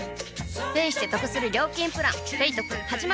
ペイしてトクする料金プラン「ペイトク」始まる！